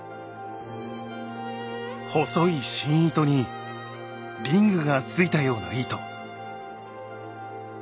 細い芯糸にリングがついたような糸。